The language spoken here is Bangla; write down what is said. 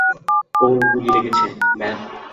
ওর গুলি লেগেছে, ম্যাভ।